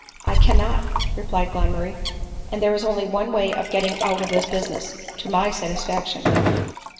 " I cannot," replied Glenmurray, " and there is only one way of getting out of this business to my satisfaction.".